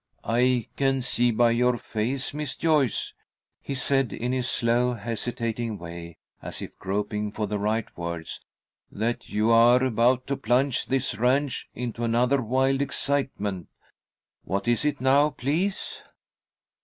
"I can see by your face, Miss Joyce," he said, in his slow, hesitating way, as if groping for the right words, "that you are about to plunge this ranch into another wild excitement. What is it now, please?"